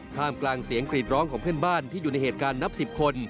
มกลางเสียงกรีดร้องของเพื่อนบ้านที่อยู่ในเหตุการณ์นับ๑๐คน